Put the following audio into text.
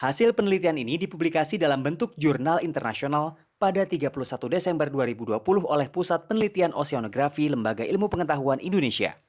hasil penelitian ini dipublikasi dalam bentuk jurnal internasional pada tiga puluh satu desember dua ribu dua puluh oleh pusat penelitian oseanografi lembaga ilmu pengetahuan indonesia